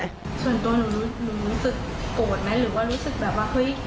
ส่วนตัวหนูหนูรู้สึกโกรธไหมหรือว่ารู้สึกแบบว่าเฮ้ย